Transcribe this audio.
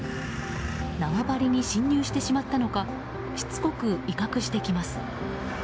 縄張りに侵入してしまったのかしつこく威嚇してきます。